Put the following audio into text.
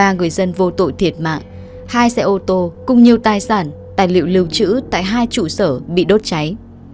ba người dân vô tội thiệt mạng hai xe ô tô cùng nhiều tài sản tài liệu lưu trữ tại hai trụ sở bị đốt cháy